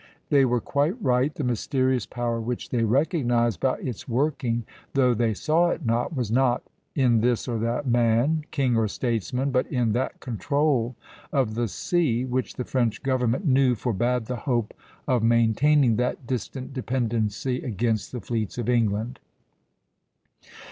They were quite right; the mysterious power which they recognized by its working, though they saw it not, was not in this or that man, king or statesman, but in that control of the sea which the French government knew forbade the hope of maintaining that distant dependency against the fleets of England.